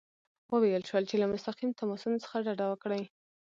وویل شول چې له مستقیم تماسونو څخه ډډه وکړي.